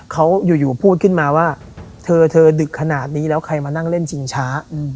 เขาอยู่พูดขึ้นมาว่าเธอดึกขนาดนี้แล้วใครมานั่งเล่นจริงช้า